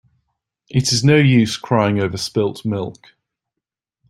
It is no use crying over spilt milk.